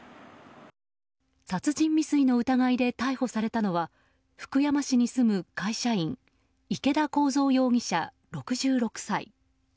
殺人未遂の疑いで逮捕されたのは福山市に住む会社員池田耕三容疑者、６６歳。